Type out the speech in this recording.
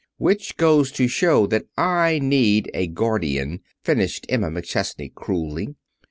"Which goes to show that I need a guardian," finished Emma McChesney cruelly.